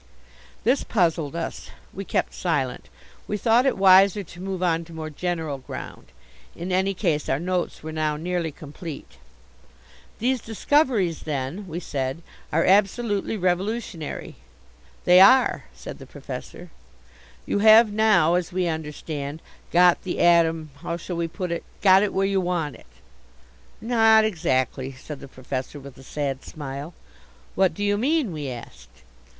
This puzzled us. We kept silent. We thought it wiser to move on to more general ground. In any case, our notes were now nearly complete. "These discoveries, then," we said, "are absolutely revolutionary." "They are," said the Professor. "You have now, as we understand, got the atom how shall we put it? got it where you want it." "Not exactly," said the Professor with a sad smile. "What do you mean?" we asked.